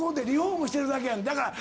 だから。